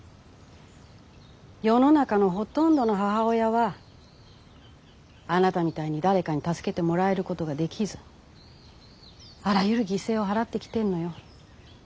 世の中のほとんどの母親はあなたみたいに誰かに助けてもらえることができずあらゆる犠牲を払ってきてんのよ。